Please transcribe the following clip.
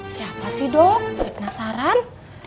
siapa sih dok saya penasaran